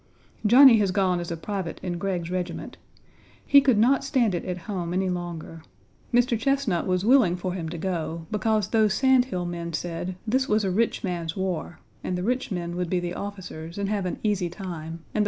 Johnny has gone as a private in Gregg's regiment. He could not stand it at home any longer. Mr. Chesnut was willing for him to go, because those sandhill men said "this was a rich man's war," and the rich men would be the officers and have an easy time and the poor ones would 1.